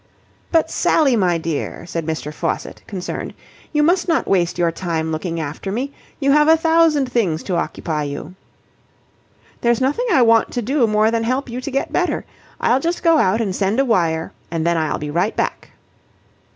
"But, Sally, my dear," said Mr. Faucitt, concerned, "you must not waste your time looking after me. You have a thousand things to occupy you." "There's nothing I want to do more than help you to get better. I'll just go out and send a wire, and then I'll be right back."